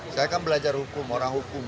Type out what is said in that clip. saya kan belajar hukum orang hukum